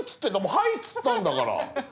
「はい」っつったんだから！